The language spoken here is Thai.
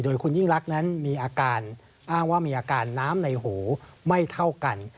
โดยคุณยิ่งรักนั้นมีอาการอ้างว่ามีอาการน้ำในหูไม่เท่ากัน